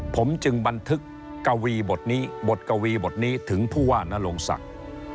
ผมจึงบันทึกกวีบทนี้บทกวีบทนี้ถึงผู้ว่านโรงศักดิ์